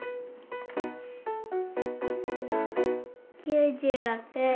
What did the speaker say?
９６。